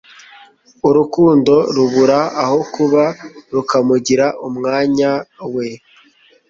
Urukundo rubura aho kuba rukamugira umwanya we